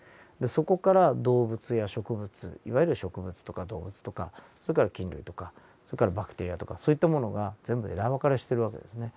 そこから動物や植物いわゆる植物とか動物とかそれから菌類とかそれからバクテリアとかそういったものが全部枝分かれしてる訳ですね。